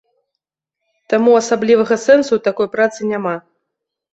Таму асаблівага сэнсу ў такой працы няма.